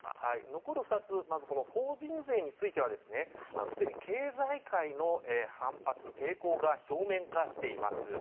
残る２つ法人税についてはすでに経済界の反発・抵抗が表面化しています。